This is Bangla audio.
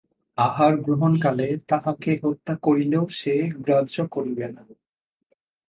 আহার-গ্রহণকালে তাহাকে হত্যা করিলেও সে গ্রাহ্য করিবে না।